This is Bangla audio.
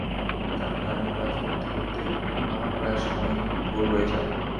কারণ, গানের কাজ করতে করতে আমার প্রায় সময়ই ভোর হয়ে যায়।